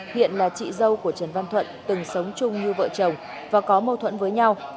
hiện là chị dâu của trần văn thuận từng sống chung như vợ chồng và có mâu thuẫn với nhau